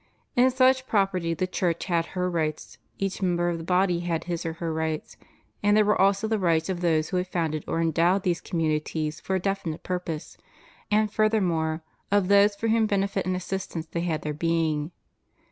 In such property the Church had her rights, each member of the body had his or her rights, and there were also the rights of those who had founded or endowed these communities for a definite purpose, and, further more, of those for whose benefit and assistance they had their being.